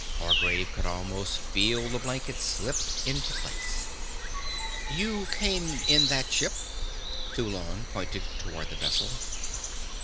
Hargraves could almost feel the blanket slip into place. "You came in that ship?" Thulon pointed toward the vessel.